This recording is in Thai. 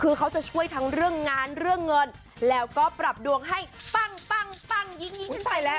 คือเขาจะช่วยทั้งเรื่องงานเรื่องเงินแล้วก็ปรับดวงให้ปั้งปั้งยิ่งขึ้นไปแล้ว